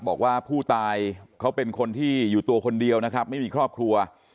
บอกว่าผู้ตายเขาเป็นคนที่อยู่ตัวคนเดียวนะครับไม่มีครอบครัว